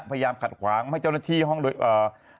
พยายามขัดขวางให้เจ้าหน้าที่ห้องโดยเอ่อ